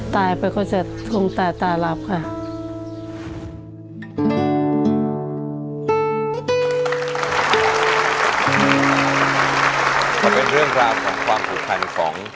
ตายไปเขาจะต้องตายตาหลับ